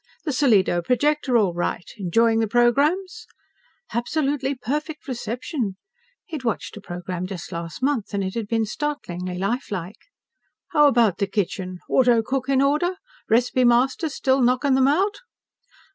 "The Solido projector all right? Enjoying the programs?" "Absolutely perfect reception." He had watched a program just last month, and it had been startlingly lifelike. "How about the kitchen? Auto cook in order? Recipe master still knocking 'em out?"